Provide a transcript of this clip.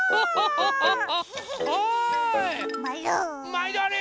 まいどあり！